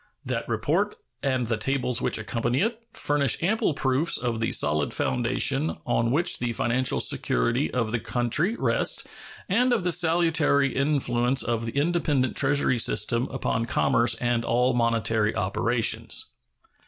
That report and the tables which accompany it furnish ample proofs of the solid foundation on which the financial security of the country rests and of the salutary influence of the independent treasury system upon commerce and all monetary operations.